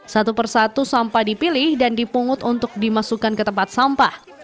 satu persatu sampah dipilih dan dipungut untuk dimasukkan ke tempat sampah